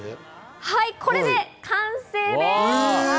これで完成です。